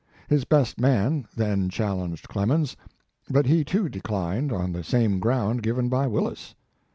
His best man then challenged Clemens, but he too declined on the same ground given by Willis.